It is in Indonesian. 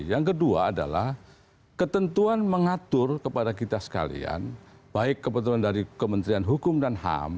yang kedua adalah ketentuan mengatur kepada kita sekalian baik kebetulan dari kementerian hukum dan ham